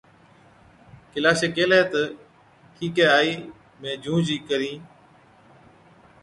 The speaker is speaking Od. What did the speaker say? ڪيلاشَي ڪيهلَي تہ، ’ٺِيڪَي آئِي اِمهين مين جھُونچ ئِي ڪرهِين‘۔